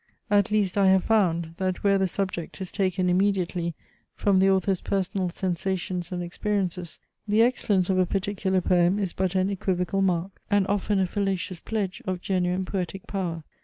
At least I have found, that where the subject is taken immediately from the author's personal sensations and experiences, the excellence of a particular poem is but an equivocal mark, and often a fallacious pledge, of genuine poetic power.